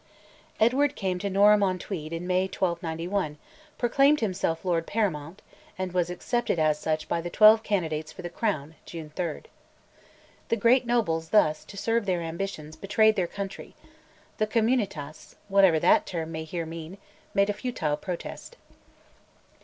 Edward came to Norham on Tweed in May 1291, proclaimed himself Lord Paramount, and was accepted as such by the twelve candidates for the Crown (June 3). The great nobles thus, to serve their ambitions, betrayed their country: the communitas (whatever that term may here mean) made a futile protest.